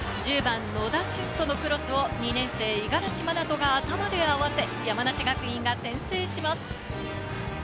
１０番の野田駿人のクロスを２年生・五十嵐真翔が頭で合わせ、山梨学院が先制します。